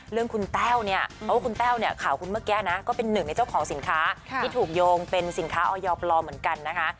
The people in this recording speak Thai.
เรื่องคุณแต้วเนี่ยเพราะว่าคุณแต้วเนี่ยข่าวคุณเมื่อกี้นะก็เป็นหนึ่งในเจ้าของสินค้าที่ถูกโยงเป็นสินค้าออยปลอมเหมือนกันนะคะ